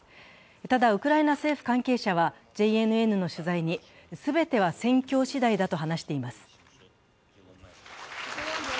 ただ、ウクライナ政府関係者はＪＮＮの取材に、全ては戦況次第だと話しています。